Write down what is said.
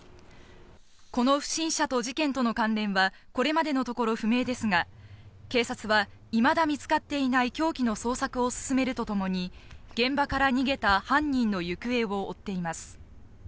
この不審者と事件との関連はこれまでのところ不明ですが、警察はいまだ見つかっていない凶器の捜索を進めるとともに、現場から逃げた犯人の行方を追っています。